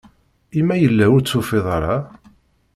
I ma yella ur tt-ufiɣ ara?